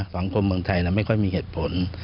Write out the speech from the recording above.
สังคมเมืองไทยไม่ค่อยมีเหตุผล